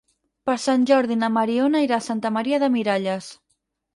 Per Sant Jordi na Mariona irà a Santa Maria de Miralles.